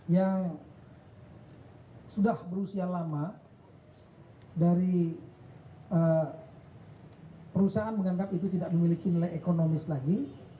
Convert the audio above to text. yang sudah berusia lama dari perusahaan menganggap itu tidak memiliki nilai ekonomis lagi